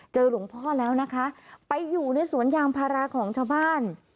หลวงพ่อแล้วนะคะไปอยู่ในสวนยางพาราของชาวบ้าน